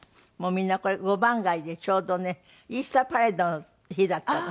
みんなこれ５番街でちょうどねイースターパレードの日だったの。